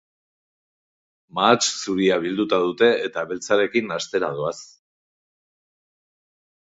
Mahats zuria bilduta dute, eta beltzarekin hastera doaz.